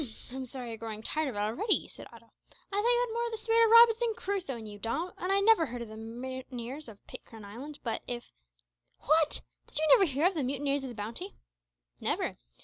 "Humph! I'm sorry you're growing tired of it already," said Otto; "I thought you had more o' the spirit of Robinson Crusoe in you, Dom, and I never heard of the mutineers of Pitcairn Island; but if " "What! did you never hear of the mutineers of the Bounty?" "Never.